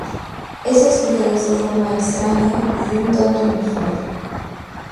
Eso explicaría su forma extraña y un tanto inusual.